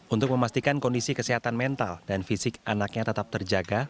untuk memastikan kondisi kesehatan mental dan fisik anaknya tetap terjaga